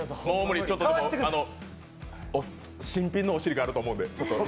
新品のお尻があると思うんで。